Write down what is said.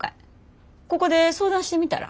ここで相談してみたら？